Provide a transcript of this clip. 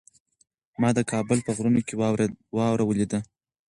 ما د کابل په غرونو کې واوره ولیده.